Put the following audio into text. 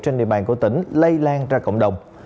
trên địa bàn của tỉnh lây lan ra cộng đồng